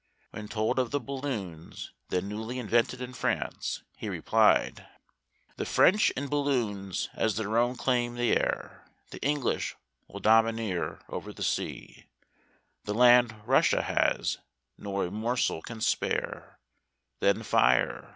When told of the balloons, then newdy invented in France, he replied, The French in balloons as their own claim the air; The English will domineer over the sea; The land Russia has, nor a morsel can spare; Then fire!